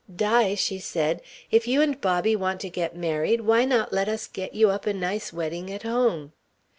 "Di," she said, "if you and Bobby want to get married, why not let us get you up a nice wedding at home?"